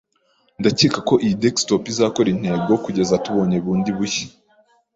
Ndakeka ko iyi desktop izakora intego kugeza tubonye bundi bushya.